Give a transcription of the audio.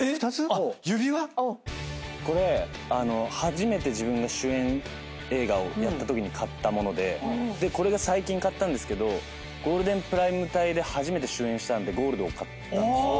これ初めて自分が主演映画をやったときに買った物ででこれが最近買ったんですけどゴールデンプライム帯で初めて主演したんでゴールドを買ったんですよ。